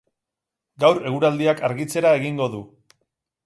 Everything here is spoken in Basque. Gaur eguraldiak argitzera egingo du.